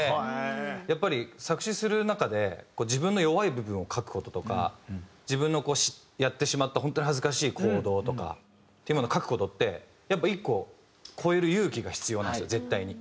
やっぱり作詞する中で自分の弱い部分を書く事とか自分のやってしまった本当に恥ずかしい行動とかっていうものを書く事ってやっぱ１個越える勇気が必要なんですよ絶対に。